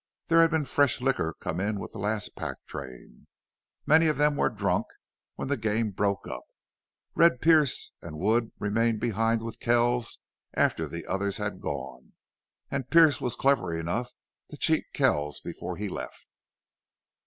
There had been fresh liquor come with the last pack train. Many of them were drunk when the game broke up. Red Pearce and Wood remained behind with Kells after the others had gone, and Pearce was clever enough to cheat Kells before he left.